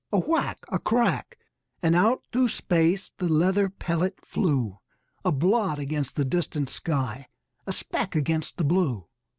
A whack; a crack; and out through space the leather pellet flew A blot against the distant sky, a speck against the blue.